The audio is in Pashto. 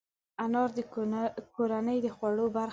انار د کورنۍ د خوړو برخه ده.